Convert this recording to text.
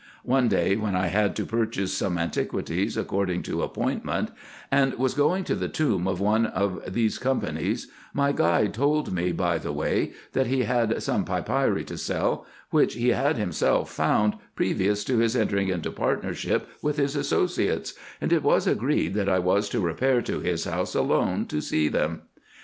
One day when I had to purchase some antiquities according to appointment, and was going to the tomb of one of these companies, my guide told me by the way, that he had some papyri to sell, which he had himself 160 RESEARCHES AND OPERATIONS found, previous to his entering into partnership with his associates ; and it was agreed, that I was to repair to his house alone to see them.